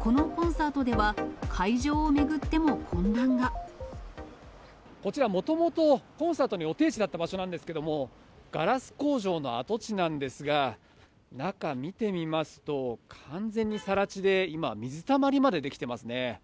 このコンサートでは、こちら、もともとコンサートの予定地だった場所なんですけれども、ガラス工場の跡地なんですが、中、見てみますと、完全にさら地で、今、水たまりまで出来てますね。